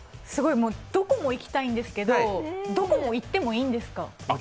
どこも行きたいんですけど、どこも行ってもいいんですか？